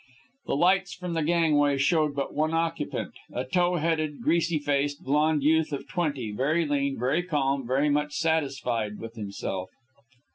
The lights from the gangway showed but one occupant, a tow headed, greasy faced, blond youth of twenty, very lean, very calm, very much satisfied with himself.